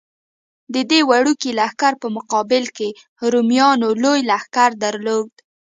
د دې وړوکي لښکر په مقابل کې رومیانو لوی لښکر درلود.